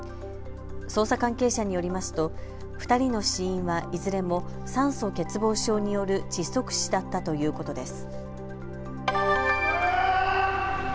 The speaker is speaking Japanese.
捜査関係者によりますと２人の死因はいずれも酸素欠乏症による窒息死だったということです。